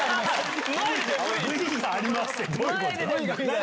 「ＶＴＲがあります」ってどういうことだ